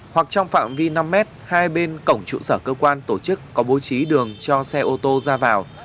hoặc trong phạm vi năm m hai bên cổng trụ sở cơ quan tổ chức có bố trí đường cho xe ô tô ra vào